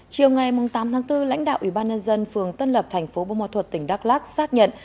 chiều ngày tám tháng bốn lãnh đạo ủy ban nhân dân phường tân lập tp bông mò thuật tỉnh đắk lắc xác nhận